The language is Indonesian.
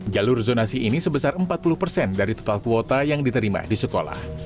jalur zonasi ini sebesar empat puluh persen dari total kuota yang diterima di sekolah